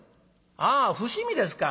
「ああ伏見ですか。